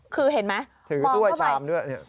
คือเห็นไหมมองเข้าไปถือถ้วยชามด้วย